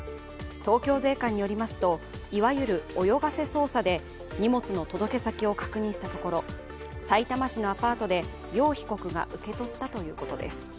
東京税関によりますと、いわゆる泳がせ捜査で荷物の届け先を確認したところさいたま市のアパートで游被告が受け取ったということです。